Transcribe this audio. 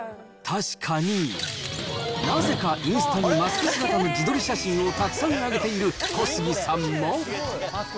確かに、なぜかインスタにマスク姿の自撮り写真をたくさんあげている小杉さんも。